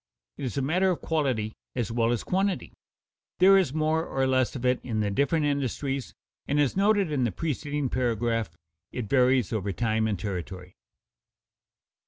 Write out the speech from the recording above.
It is a matter of quality as well as quantity. There is more or less of it in the different industries, and, as noted in the preceding paragraph, it varies over time and territory.